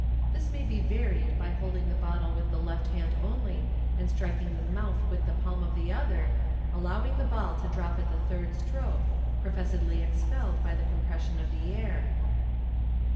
This may be varied by holding the bottle with the left hand only, and striking the mouth with the palm of the other, allowing the ball to drop at the thirJ stroke, pro fessedly expelled by the compression of the air.